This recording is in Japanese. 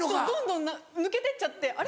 どんどん抜けてっちゃって。